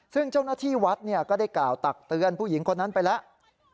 ซึ่งเจ้าหน้าที่วัดก็ได้กล่าวตักเตือนผู้หญิงคนนั้นไปแล้ว